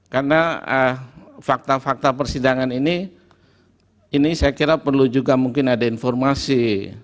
karena fakta fakta persidangan ini ini saya kira perlu juga mungkin ada informasi